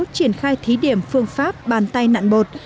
triển khai thí điểm phương pháp bàn tay nạn bột